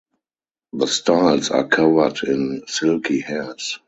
The styles are covered in silky hairs.